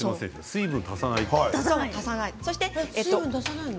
水分が足さないの？